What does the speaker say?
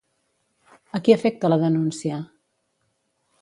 A qui afecta la denúncia?